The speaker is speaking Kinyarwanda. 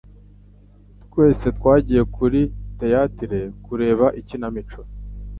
Twese twagiye kuri theatre kureba ikinamico.